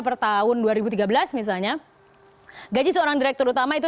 per tahun dua ribu tiga belas misalnya gaji seorang direktur utama itu